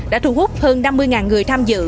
đã thu hút hơn năm mươi người tham dự